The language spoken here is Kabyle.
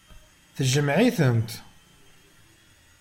Tjmeɛ-itent.